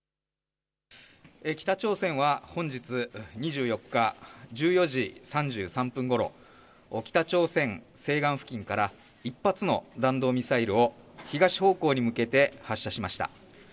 北朝鮮は本日２４日１４時３３分ごろ、北朝鮮西岸付近から１発の弾道ミサイルを東方向に向けて発射しました。